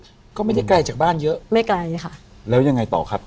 เห็นหลายอย่าง